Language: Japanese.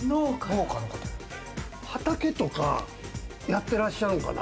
畑とかやってらっしゃるんかな？